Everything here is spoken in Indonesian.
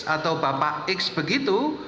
atau bapak x begitu